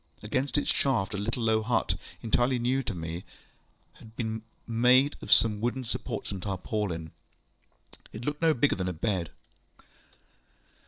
Against its shaft, a little low hut, entirely new to me, had been made of some wooden supports and tarpaulin. It looked no bigger than a bed.